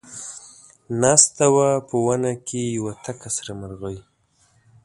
ناسته وه په ونه کې یوه تکه سره مرغۍ